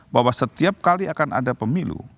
bahwa setiap kali akan ada pemilu